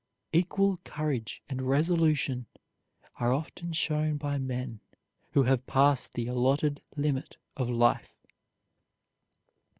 Equal courage and resolution are often shown by men who have passed the allotted limit of life.